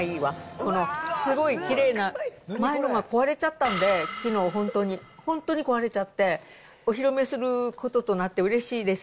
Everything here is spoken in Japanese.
このすごいきれいな、前のが壊れちゃったんで、きのう、本当に、本当に壊れちゃって、お披露目することとなってうれしいです。